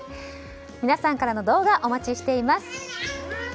皆さんからの動画お待ちしています。